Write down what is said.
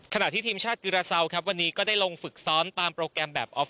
ขณะที่ทีมชาติกรศาลกลับวันนี้ก็ได้ลงฝึกซ้อนตามโปรแกรมแบบออฟฟิเชียล